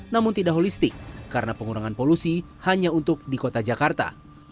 namun tidak holistik karena pengurangan polusi hanya untuk di kota jakarta